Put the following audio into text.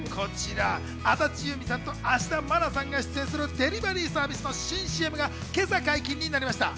安達祐実さんと芦田愛菜さんが出演するデリバリーサービスの新ＣＭが今朝解禁になりました。